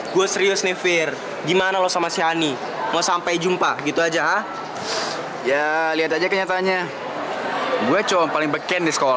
gue mau kasih sesuatu ke lo